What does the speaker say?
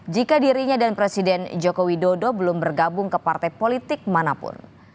jika dirinya dan presiden joko widodo belum bergabung ke partai politik manapun